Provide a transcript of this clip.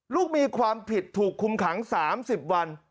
ลูกมีความผิดถูกคุมขัง๓๐วัน